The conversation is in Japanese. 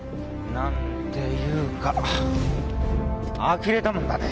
なんていうかあきれたもんだね。